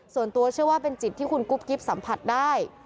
ส่วนตัวเชื่อว่าเป็นจิตที่คุณกุ๊บกิ๊บสัมผัสได้